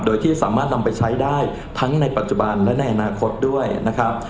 โดยที่สามารถนำไปใช้ได้ทั้งในปัจจุบันและในอนาคตด้วยนะครับ